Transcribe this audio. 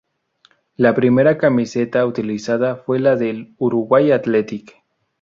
La primera camiseta utilizada fue la del Uruguay Athletic.